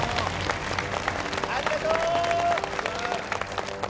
ありがとう！